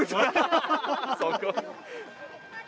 そこ？